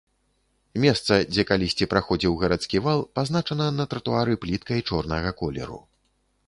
Месца, дзе калісьці праходзіў гарадскі вал, пазначана на тратуары пліткай чорнага колеру.